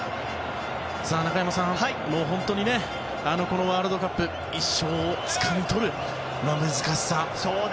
中山さん、本当にこのワールドカップで１勝をつかみとる難しさ。